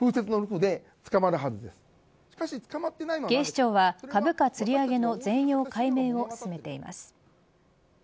警視庁は株価つり上げの全容解明を進めています。